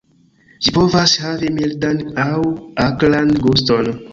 Ĝi povas havi mildan aŭ akran guston.